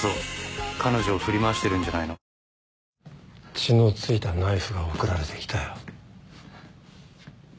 血の付いたナイフが送られてきたよ。